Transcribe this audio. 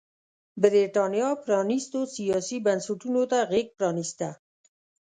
برېټانیا پرانيستو سیاسي بنسټونو ته غېږ پرانېسته.